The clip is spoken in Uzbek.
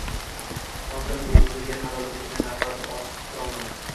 Inomjon bo`g`ziga qadalib turgan nafratni ortiq tutib turolmadi